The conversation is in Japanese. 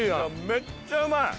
めっちゃうまい。